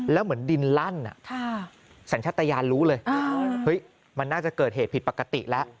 แล้วเหมือนดินลั่นสัญชาติยานรู้เลยมันน่าจะเกิดเหตุผิดปกติแล้ว